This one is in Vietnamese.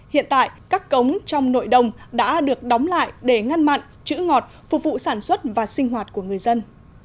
hiện tại các cống trong nội đồng đã được đóng lại để ngăn mặn chữ ngọt phục vụ sản xuất và sinh hoạt của người dân